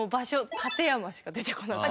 館山しか出てこなかった。